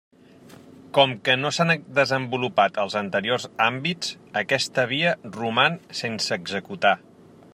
Com que no s'han desenvolupat els anteriors àmbits, aquesta via roman sense executar.